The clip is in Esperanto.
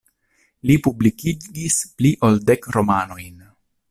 Li publikigis pli ol dek romanojn.